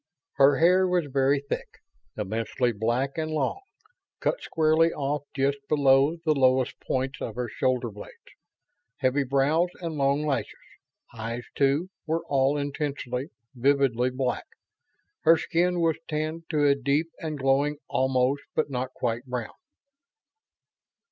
Her hair was very thick, intensely black and long, cut squarely off just below the lowest points of her shoulder blades. Heavy brows and long lashes eyes too were all intensely, vividly black. Her skin was tanned to a deep and glowing almost but not quite brown.